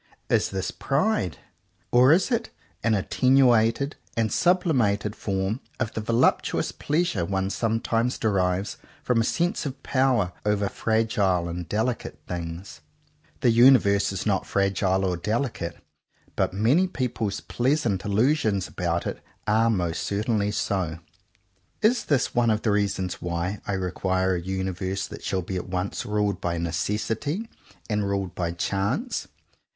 Is this pride? or is it an at tenuated and sublimated form of the volup tuous pleasure one sometimes derives from a sense of power over fragile and delicate things .f* The universe is not fragile or delicate, but many people's pleasant il lusions about it are most certainly so. Is this one of the reasons why I require a universe that shall be at once ruled by necessity and ruled by chance?